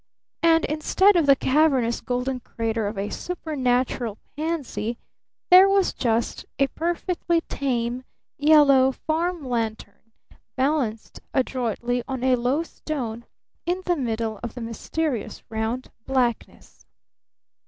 And instead of the cavernous golden crater of a supernatural pansy there was just a perfectly tame yellow farm lantern balanced adroitly on a low stone in the middle of the mysterious round blackness.